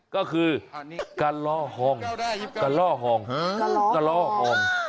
ก็คือกะล่อห้องกะล่อห้องกะล่อห่อง